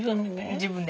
自分で。